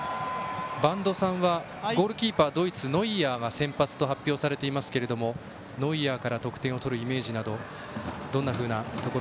播戸さんはゴールキーパー、ドイツノイアーが先発だと発表されていますがノイアーから得点を取るイメージなどありますか？